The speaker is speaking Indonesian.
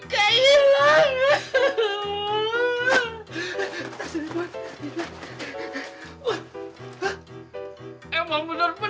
tunggu jamur tunggu